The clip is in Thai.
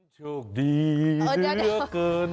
โชคดีที่เหลือเกิน